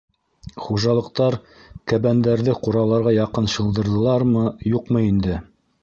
Хужалыҡтар кәбәндәрҙе ҡураларға яҡын шылдырҙылармы, юҡмы инде...